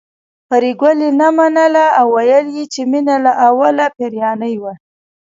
پري ګلې نه منله او ويل يې چې مينه له اوله پيريانۍ وه